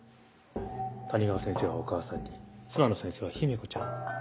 谷川先生はお母さんに諏訪野先生は姫子ちゃんに。